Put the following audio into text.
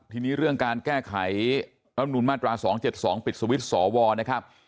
ทีนี้เรื่องการแก้ไขรัฐมนุนมาตรา๒๗๒ปิดสวิตช์สวนะครับ